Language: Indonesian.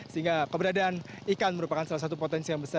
sehingga keberadaan ikan merupakan salah satu potensi yang besar